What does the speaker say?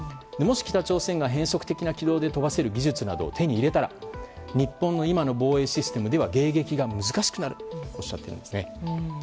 もし、北朝鮮が変則的な軌道で飛ばせる技術などを手に入れたら日本の今の防衛システムでは迎撃が難しくなるとおっしゃっているんですね。